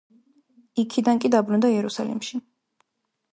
იქიდან კი დაბრუნდა იერუსალიმში.